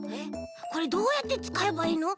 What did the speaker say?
これどうやってつかえばいいの？